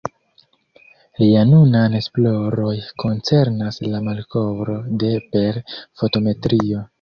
Lia nunaj esploroj koncernas la malkovro de per fotometrio.